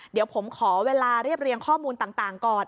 เดี๋ยวผมขอเวลาเรียบเรียงข้อมูลต่างก่อน